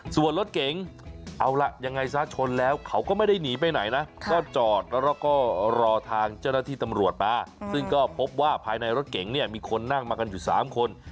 ส่วนรถเก๋งเอาล่ะยังไงซะชนแล้วเขาก็ไม่ได้หนีไปไหนนะก็จอดแล้วก็รอทางเจ้าหน้าที่ตำรวจมาซึ่งก็พบว่าภายในรถเก๋งเนี่ยมีคนนั่งมากันอยู่๓คน